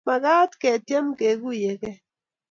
Magat ketiem kekuiyekei